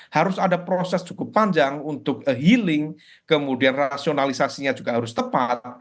harus ada proses cukup panjang untuk healing kemudian rasionalisasinya juga harus tepat